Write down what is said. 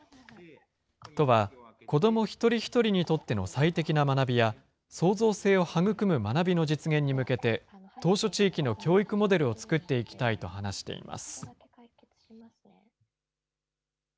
都は、子ども一人一人にとっての最適な学びや、創造性を育む学びの実現に向けて、島しょ地域の教育モデルを作っていきたいと話しています。